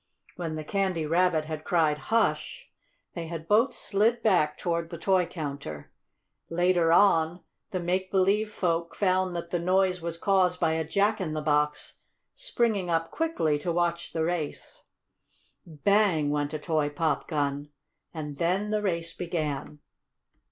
When the Candy Rabbit had cried "Hush!" they had both slid back toward the toy counter. Later on the make believe folk found that the noise was caused by a Jack in the Box springing up quickly to watch the race. "Bang!" went a toy pop gun. And then the race began!